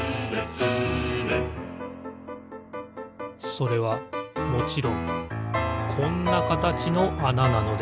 それはもちろんこんなかたちのあななのです